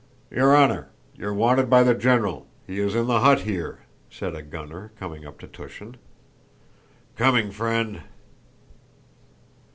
"Your honor, you're wanted by the general. He is in the hut here," said a gunner, coming up to Túshin. "Coming, friend."